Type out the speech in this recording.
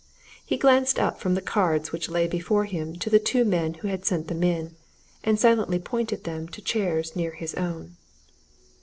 He glanced up from the cards which lay before him to the two men who had sent them in, and silently pointed them to chairs near his own.